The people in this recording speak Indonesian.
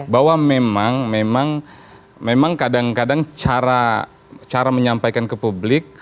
bahwa memang memang kadang kadang cara menyampaikan ke publik